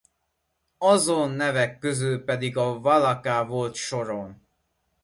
Azon nevek közül pedig a Walaka volt soron.